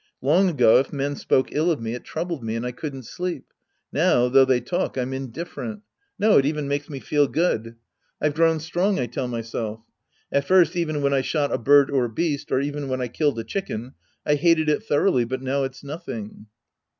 Long ago, if men spoke ill of me, it troubled me, and I couldn't sleep. Now, though they talk, I'm indifferent. No, it even makes me feel good. " I've grown strong," I tell myself At first even when I shot a bird or a beast, or even when I killed a chicken, I hated it thoroughly, but now it's notliing.